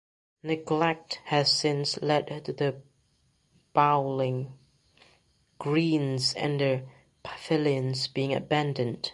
Neglect has since led to the bowling greens and their pavilions being abandoned.